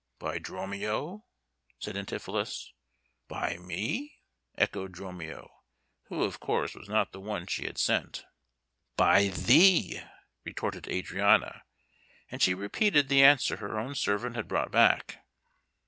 "By Dromio?" said Antipholus. "By me?" echoed Dromio, who, of course, was not the one she had sent. "By thee," retorted Adriana; and she repeated the answer her own servant had brought back.